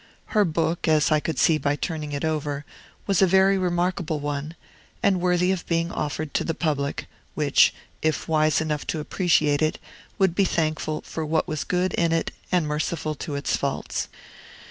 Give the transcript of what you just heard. Her book, as I could see by turning it over, was a very remarkable one, and worthy of being offered to the public, which, if wise enough to appreciate it, would be thankful for what was good in it and merciful to its faults.